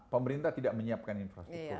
pemerintah tidak menyiapkan infrastrukturnya